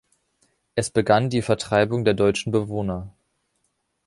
Es begann die Vertreibung der deutschen Bewohner.